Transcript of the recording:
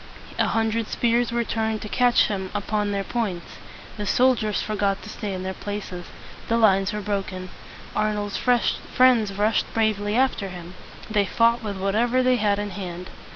A hundred spears were turned to catch him upon their points. The soldiers forgot to stay in their places. The lines were broken. Arnold's friends rushed bravely after him. They fought with whatever they had in hand.